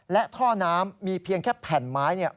และท่อน้ำมีเพียงแค่แผ่นไม้เนี่ย